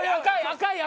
赤い！